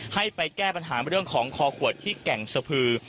ให้ไปแก้ปัญหาเรื่องของคอขวดที่แก่งสะพือ